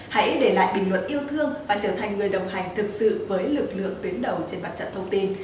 hãy để lại bình luận yêu thương và trở thành người đồng hành thực sự với lực lượng tuyến đầu trên mặt trận thông tin